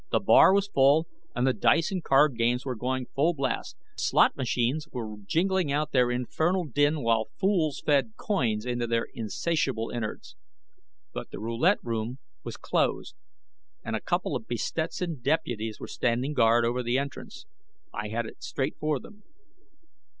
The bar was full, and the dice and card games were going full blast. The slot machines were jingling out their infernal din while fools fed coins into their insatiable innards. But the roulette room was closed, and a couple of be Stetsoned deputies were standing guard over the entrance. I headed straight for them.